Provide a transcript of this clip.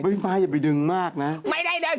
ป๊ายอย่าไปดึงมากนะไม่ได้ดึง